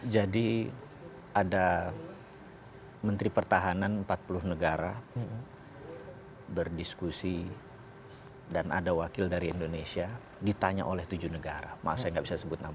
jadi ada menteri pertahanan empat puluh negara berdiskusi dan ada wakil dari indonesia ditanya oleh tujuh negara maaf saya nggak bisa sebut nama